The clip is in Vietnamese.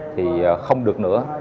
thì không được nữa